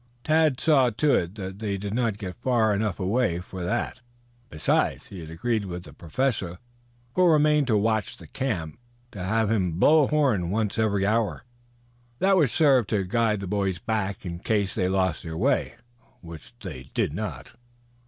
Tad saw to it that they did not get far enough away for that. Besides, he had agreed with the Professor, who remained to watch the camp, to have him blow a horn once every hour. That would serve to guide the boys back in case they lost their way, which they did not.